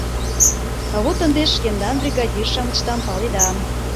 — Вот ынде шкендан бригадир-шамычдам паледа.